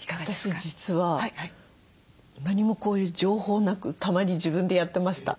私実は何もこういう情報なくたまに自分でやってました。